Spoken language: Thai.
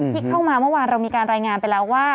ที่เข้ามาเมื่อวานเรามีการรายงานไปแล้วว่า